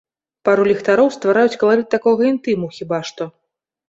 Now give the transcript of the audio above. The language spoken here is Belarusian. Пару ліхтароў ствараюць каларыт такога інтыму, хіба што.